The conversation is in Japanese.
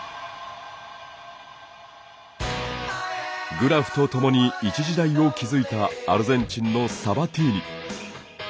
グラフと共に一時代を築いたアルゼンチンのサバティーニ。